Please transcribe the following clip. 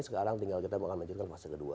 sekarang tinggal kita menjalankan fase kedua